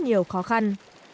nhiều khó khăn